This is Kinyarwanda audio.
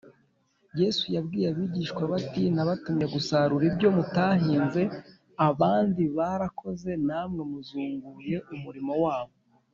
Yesu yabwiye abigishwa be ati; “Nabatumye gusarura ibyo mutahinze, abandi barakoze namwe mwazunguye umurimo wabo